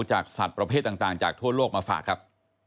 จากสัตว์ประเภทต่างจากทั่วโลกมาฝากครับ